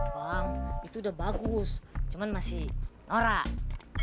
bang itu udah bagus cuman masih orang